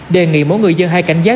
đề nghị mỗi người dân hay cảnh giác